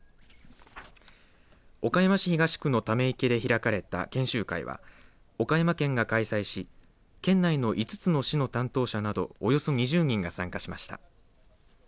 岡山市東区のため池で開かれた研修会は岡山県が開催し県内の５つの市の担当者などおよそ２０人が参加しました。